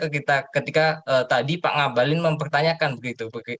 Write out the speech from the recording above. ketika tadi pak ngabalin mempertanyakan begitu